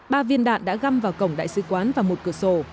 ba viên đạn đã găm vào cổng đại sứ quán và một cửa sổ